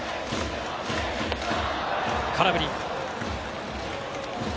空振り。